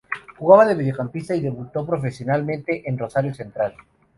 Jugaba de mediocampista y debutó profesionalmente en Rosario Central.